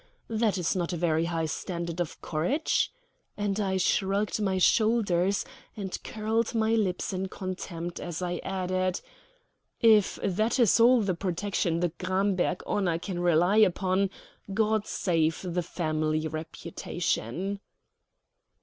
That is not a very high standard of courage," and I shrugged my shoulders, and curled my lips in contempt, as I added, "If that is all the protection the Gramberg honor can rely upon, God save the family reputation."